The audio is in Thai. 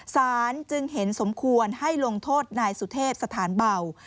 จึงเห็นสมควรให้ลงโทษนายสุเทพสถานเบา